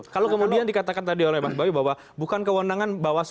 kalau kemudian dikatakan tadi oleh mas bawi bahwa bukan kewenangan bawaslu